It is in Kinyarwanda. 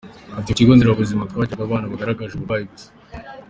Ati “Ku kigo nderabuzima twakiraga abana bagaragaje uburwayi gusa.